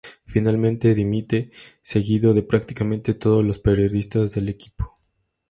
Finalmente dimite, seguido de prácticamente todos los periodistas del equipo.